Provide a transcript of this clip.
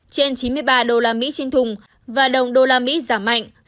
trên chín mươi ba usd trên thùng và đồng usd giảm mạnh